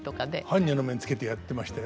般若の面つけてやってました。